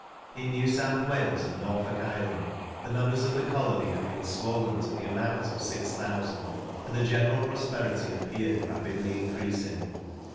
In New South Wales and Norfolk Island the numbers of the colony had been swollen to the amount of six thousand, and the general prosperity appeared rapidly increasing.